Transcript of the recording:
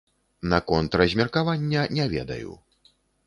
Наконт размеркавання, не ведаю.